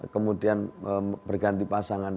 kemudian berganti pasangan